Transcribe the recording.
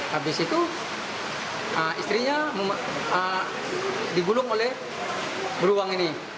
habis itu istrinya digulung oleh beruang ini